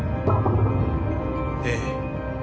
ええ。